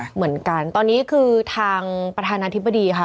เหมือนกันตอนนี้คือทางประธานาธิบดีค่ะ